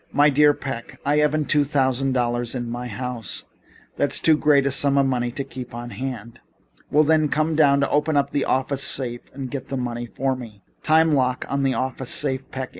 "My dear Mr. Peck, I haven't two thousand dollars in my house. That is too great a sum of money to keep on hand." "Well, then, come downtown, open up the office safe and get the money for me." "Time lock on the office safe, Peck.